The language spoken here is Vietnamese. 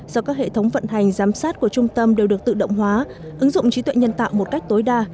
do các hệ thống vận hành giám sát của trung tâm đều được tự động hóa ứng dụng trí tuệ nhân tạo một cách tối đa